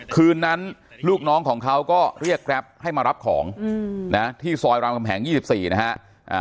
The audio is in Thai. คืนนั้นลูกน้องของเขาก็เรียกแกรปให้มารับของนะที่ซอยรามคำแหง๒๔นะฮะ